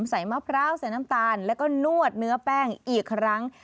มะพร้าวใส่น้ำตาลแล้วก็นวดเนื้อแป้งอีกครั้ง